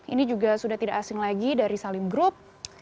ini juga sudah tidak asing lagi dari salim group